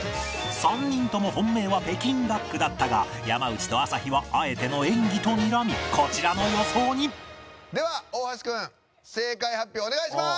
３人とも本命は北京ダックだったが山内と朝日はあえての演技とにらみこちらの予想にでは大橋君正解発表お願いします！